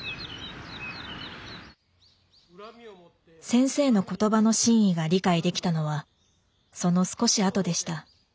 先生の言葉の真意が理解できたのはその少しあとでした。